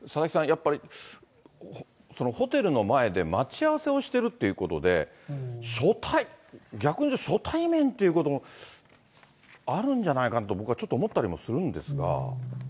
やっぱり、ホテルの前で待ち合わせをしてるということで、逆に言うと、初対面っていうこともあるんじゃないかなと、僕はちょっと思ったりも思うんですが。